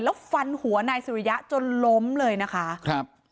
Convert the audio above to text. แล้วฟันหัวนายสุริยะจนล้มเลยนะคะครับ